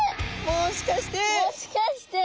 もしかして。